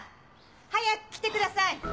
早く来てください！